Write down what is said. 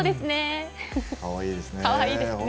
かわいいですね。